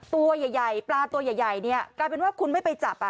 ตัวใหญ่ปลาตัวใหญ่เนี่ยกลายเป็นว่าคุณไม่ไปจับ